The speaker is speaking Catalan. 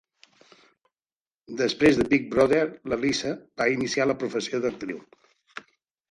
Després de Big Brother, la Lisa va iniciar la professió d'actriu.